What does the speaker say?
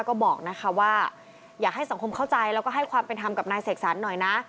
ก็บอกนะคะว่าอยากให้สังคมเข้าใจแล้วก็ให้ความเป็นธรรมกับนายเสกสรรหน่อยนะ